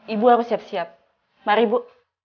ibu harus siap siap mari bu